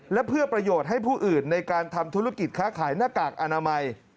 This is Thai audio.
และเพื่อประโยชน์ให้ผู้อื่นในการทำธุรกิจค้าขายหน้ากากอนามัย